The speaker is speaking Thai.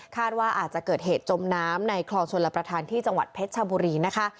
ว่าอาจจะเกิดเหตุจมน้ำในคลองชลประธานที่จังหวัดเพชรชบุรีนะคะ